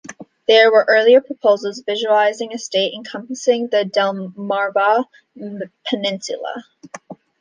There were earlier proposals visualizing a state encompassing the Delmarva Peninsula.